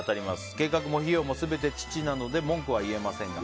計画も費用も全て父なので文句は言えませんが。